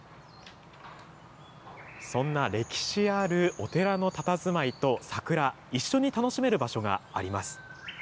そんな歴史あるお寺のたたずまいと桜、一緒に楽しめる場所があります。